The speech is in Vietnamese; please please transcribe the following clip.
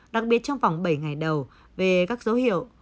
đặc biệt trong vòng bảy ngày đầu về các dấu hiệu